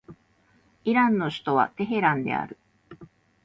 イランの首都はテヘランである